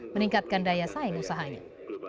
meningkatkan daya saing usahanya